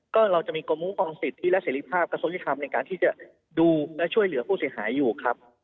ก็เราจะมีกรมคุ้มครองสิทธิและเสรีภาพกระทรวงยุทธรรมในการที่จะดูและช่วยเหลือผู้เสียหายอยู่ครับ